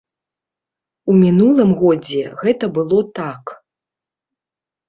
У мінулым годзе гэта было так.